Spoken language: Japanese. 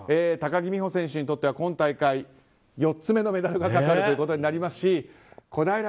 高木美帆選手にとっては今大会４つ目のメダルがかかるということになりますし小平